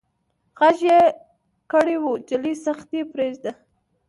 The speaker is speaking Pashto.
غږ يې کړ وه جلۍ سختي پرېدئ.